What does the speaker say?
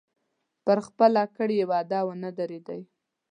پر خپله کړې وعده ونه درېدی.